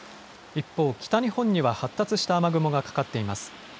一方、北日本には発達した雨雲がかかっています。